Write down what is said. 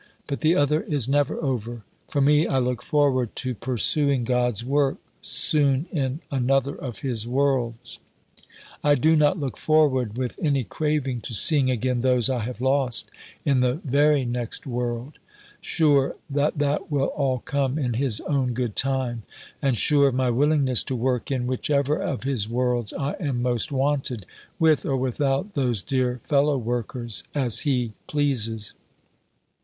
But the other is never over. For me, I look forward to pursuing God's work soon in another of his worlds. I do not look forward with any craving to seeing again those I have lost (in the very next world) sure that that will all come in His own good time and sure of my willingness to work in whichever of His worlds I am most wanted, with or without those dear fellow workers, as He pleases.